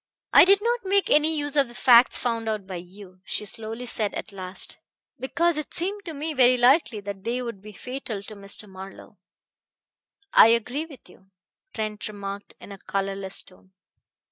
"I did not make any use of the facts found out by you," she slowly said at last, "because it seemed to me very likely that they would be fatal to Mr. Marlowe." "I agree with you," Trent remarked in a colorless tone.